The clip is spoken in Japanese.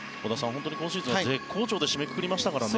本当に今シーズンは絶好調で締めくくりましたからね。